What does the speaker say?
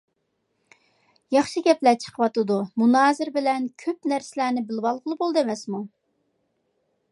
ياخشى گەپلەر چىقىۋاتىدۇ. مۇنازىرە بىلەن كۆپ نەرسىلەرنى بىلىۋالغىلى بولىدۇ ئەمەسمۇ.